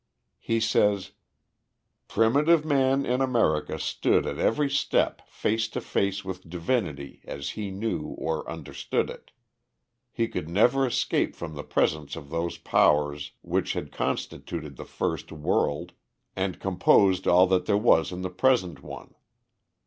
He says: "Primitive man in America stood at every step face to face with divinity as he knew or understood it. He could never escape from the presence of those powers which had constituted the first world, and which composed all that there was in the present one.